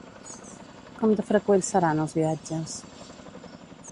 Com de freqüents seran els viatges?